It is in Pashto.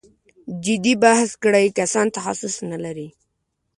جدي بحث کړی کسان تخصص نه لري.